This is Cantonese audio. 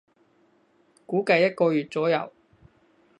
估計一個月左右